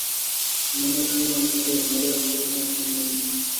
মনে হচ্ছে যেনো অন্য কেউ মলের পুরো নিয়ন্ত্রণ নিয়ে নিয়েছে।